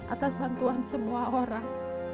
atas bantuan semua orang